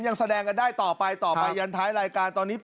ยังแสดงกันได้ต่อไปต่อไปยันท้ายรายการตอนนี้